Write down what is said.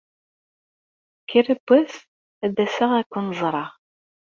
Kra n wass ad d-aseɣ ad ken-ẓreɣ.